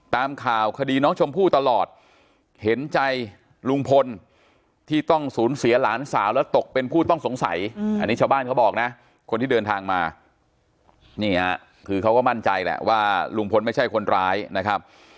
ใสอันนี้ชาวบ้านเขาบอกนะคนที่เดินทางมานี่อ่ะคือเขาก็มั่นใจแหละว่าลุงพลไม่ใช่คนร้ายนะครับ